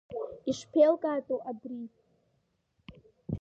Ишԥеилкаатәу абри?